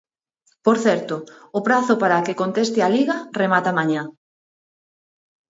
Por certo, o prazo para que conteste a Liga remata mañá.